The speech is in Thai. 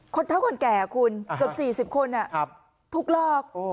เท่าคนแก่คุณเกือบ๔๐คนถูกหลอก